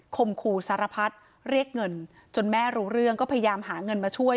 มขู่สารพัดเรียกเงินจนแม่รู้เรื่องก็พยายามหาเงินมาช่วย